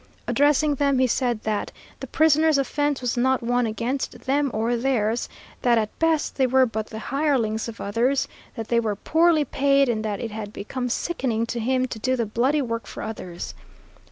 Addressing them, he said that the prisoner's offense was not one against them or theirs; that at best they were but the hirelings of others; that they were poorly paid, and that it had become sickening to him to do the bloody work for others.